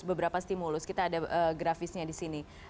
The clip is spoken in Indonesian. beberapa stimulus kita ada grafisnya di sini